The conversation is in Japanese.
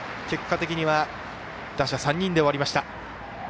結果的には打者３人で終わりました。